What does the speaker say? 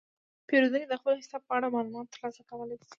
پیرودونکي د خپل حساب په اړه معلومات ترلاسه کولی شي.